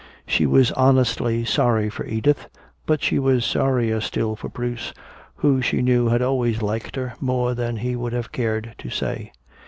She was honestly sorry for Edith, but she was sorrier still for Bruce, who she knew had always liked her more than he would have cared to say.